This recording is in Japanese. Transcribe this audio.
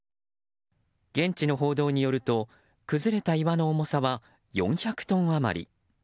現地の報道によると崩れた岩の重さは４００トン余り。